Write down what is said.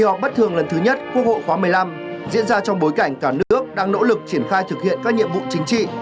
kỳ họp bất thường lần thứ nhất quốc hội khóa một mươi năm diễn ra trong bối cảnh cả nước đang nỗ lực triển khai thực hiện các nhiệm vụ chính trị